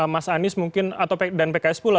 mas anies mungkin atau dan pks pula